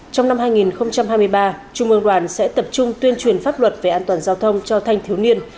trong năm hai nghìn hai mươi ba trung ương đoàn sẽ tập trung tuyên truyền pháp luật về an toàn giao thông cho thanh thiếu niên